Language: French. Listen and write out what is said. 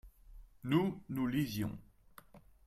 nous , nous lisions.